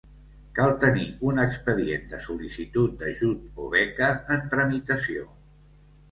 Cal tenir un expedient de sol·licitud d'ajut o beca en tramitació.